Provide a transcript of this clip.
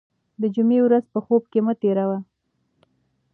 د جمعې ورځ په خوب کې مه تېروه.